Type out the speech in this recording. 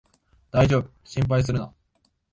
だいじょうぶ、心配するな